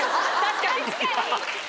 確かに。